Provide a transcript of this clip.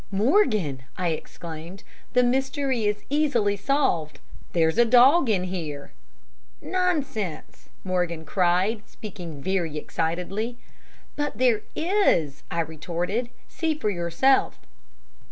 "Morgan!" I exclaimed, "the mystery is easily solved; there's a dog in here." "Nonsense!" Morgan cried, speaking very excitedly. "But there is," I retorted, "see for yourself."